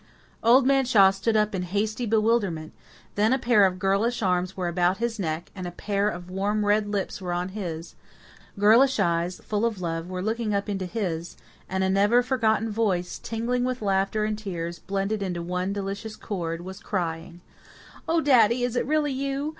Old Man Shaw stood up in hasty bewilderment; then a pair of girlish arms were about his neck, and a pair of warm red lips were on his; girlish eyes, full of love, were looking up into his, and a never forgotten voice, tingling with laughter and tears blended into one delicious chord, was crying, "Oh, daddy, is it really you?